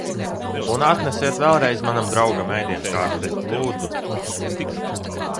Un atnesiet vēIreiz manam draugam ēdienkarti, lūdzu!